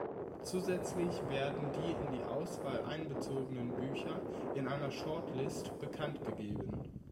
Zusätzlich werden die in die Auswahl einbezogenen Bücher in einer Shortlist bekanntgegeben.